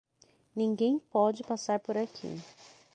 Ninguém pode passar por aqui!